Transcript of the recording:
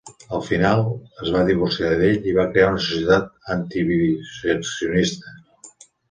Al final, es va divorciar d'ell i va crear una societat antiviviseccionista.